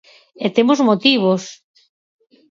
E temos motivos.